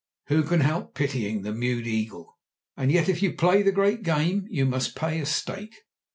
Who can help pitying the mewed eagle? And yet if you play the great game you must pay a stake.